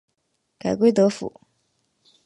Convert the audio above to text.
改归德府。